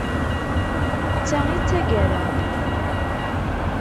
D ta i d tagara.